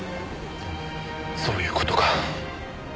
そういう事か。